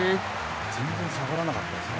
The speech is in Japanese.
全然下がらなかったですよね。